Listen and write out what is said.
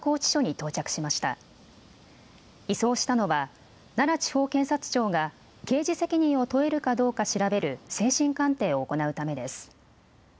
移送したのは、奈良地方検察庁が刑事責任を問えるかどうか調べる精神鑑定を行うためです。